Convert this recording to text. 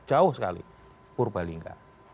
jauh sekali purbalingga